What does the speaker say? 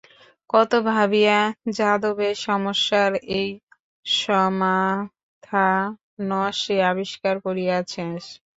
কত ভাবিয়া যাদবের সমস্যার এই সমাথা ন সে আবিষ্কার করিয়ারেছ।